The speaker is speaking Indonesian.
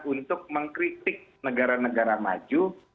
untuk mengkritik negara negara maju